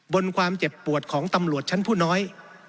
บนความเจ็บปวดของตำรวจชั้นผู้น้อย